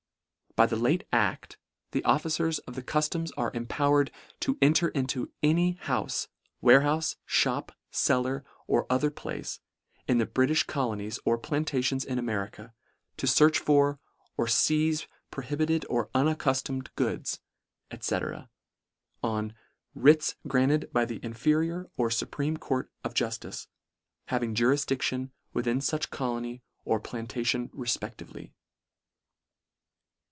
By the late acf the officers of the cuftoms are impowered " to enter into any houfe, " warehoufe, fhop, cellar, or other place, " in the Britifh colonies or plantations in " America, to fearch for, or feize prohibited " or unaccuftomed goods," &c. on " writs " granted by the inferior or fupreme court " of juftice, having jurifdiclion within fuch " colony or plantation refpectively."